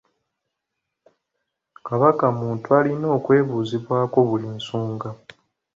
Kabaka muntu alina okwebuuzibwako buli nsonga.